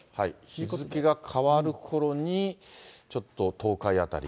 日付が変わるころに、ちょっと東海辺り。